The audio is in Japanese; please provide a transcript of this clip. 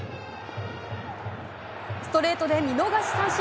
ストレートで見逃し三振。